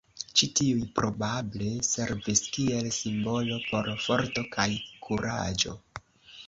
Ĉi tiuj probable servis kiel simbolo por forto kaj kuraĝo.